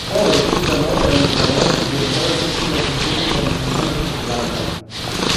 Fou el fundador, realitzador i director artístic del concurs internacional de Senigallia.